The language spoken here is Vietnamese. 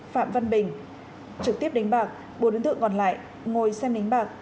phạm văn bình trực tiếp đánh bạc bốn đối tượng còn lại ngồi xem đánh bạc